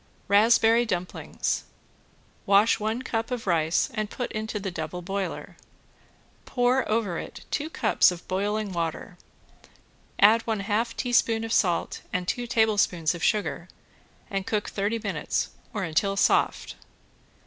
~RASPBERRY DUMPLINGS~ Wash one cup of rice and put into the double boiler. Pour over it two cups of boiling water, add one half teaspoon of salt and two tablespoons of sugar and cook thirty minutes or until soft.